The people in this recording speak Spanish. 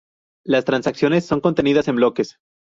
Las transacciones son contenidas en bloques.